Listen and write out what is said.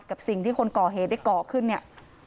กับสิ่งที่คนก่อเหตุได้ก่อขึ้นเนี่ย